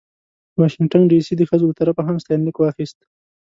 د واشنګټن ډې سي د ښځو له طرفه هم ستاینلیک واخیست.